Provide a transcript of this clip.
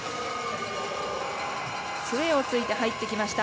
つえをついて入ってきました。